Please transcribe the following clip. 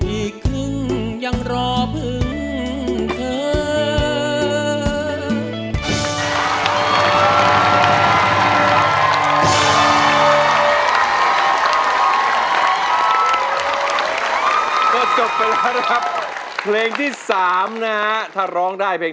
อีกครึ่งยังรอพึ่งเธอ